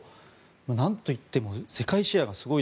何といっても世界シェアがすごい。